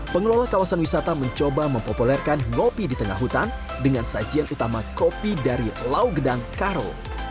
pengelola kawasan wisata mencoba mempopulerkan kopi di tengah hutan dengan sajian utama kopi dari lau gedang karo